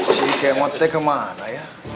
si kemotnya kemana ya